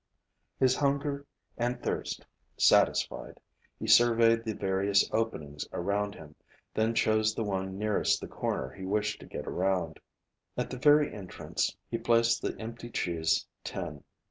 His hunger and thirst satisfied, he surveyed the various openings around him, then chose the one nearest the corner he wished to get around. At the very entrance, he placed the empty cheese tin.